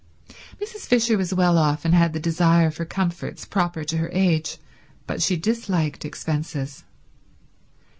Mrs. Fisher was well off and had the desire for comforts proper to her age, but she disliked expenses.